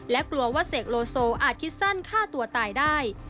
และกลัวว่าเสกโลโซอาจคิดสั้นฆ่าตัวตายได้